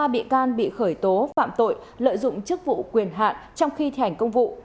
ba bị can bị khởi tố phạm tội lợi dụng chức vụ quyền hạn trong khi thi hành công vụ